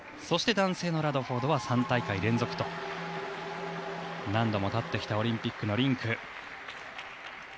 そして男性のラドフォードは３大会連続と何度も立ってきたオリンピックのリンク。